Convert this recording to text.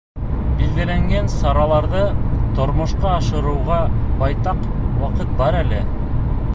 Билдәләнгән сараларҙы тормошҡа ашырыуға байтаҡ ваҡыт бар әле.